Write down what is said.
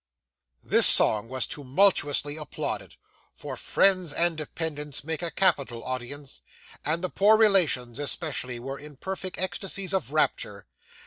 This song was tumultuously applauded for friends and dependents make a capital audience and the poor relations, especially, were in perfect ecstasies of rapture.